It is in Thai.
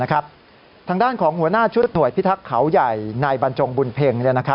ทางด้านของหัวหน้าชุดหน่วยพิทักษ์เขาใหญ่นายบรรจงบุญเพ็ง